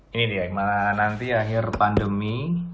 ini dia gimana nanti akhir pandemi